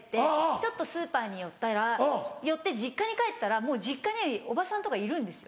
ちょっとスーパーに寄ったら寄って実家に帰ったらもう実家におばさんとかいるんですよ。